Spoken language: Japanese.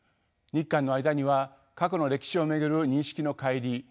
日韓の間には過去の歴史を巡る認識の乖離